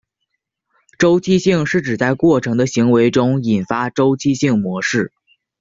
周期性是指在过程的行为中引发周期性模式。